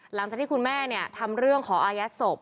หลังจากที่คุณแม่ทำเรื่องขออายัดศพ